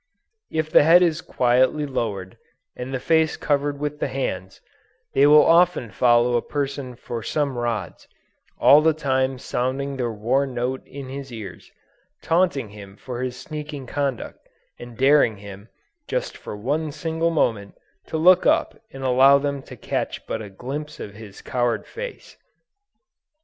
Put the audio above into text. If the head is quietly lowered, and the face covered with the hands, they will often follow a person for some rods, all the time sounding their war note in his ears, taunting him for his sneaking conduct, and daring him, just for one single moment, to look up and allow them to catch but a glimpse of his coward face!